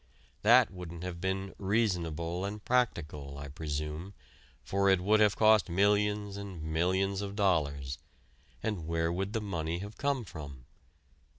That wouldn't have been "reasonable and practical," I presume, for it would have cost millions and millions of dollars. And where would the money have come from?